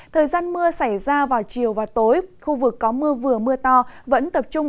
thời gian mưa xảy ra vào chiều và tối khu vực có mưa vừa mưa to vẫn tập trung